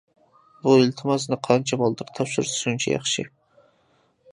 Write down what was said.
بۇ ئىلتىماسنى قانچە بالدۇر تاپشۇرسا شۇنچە ياخشى.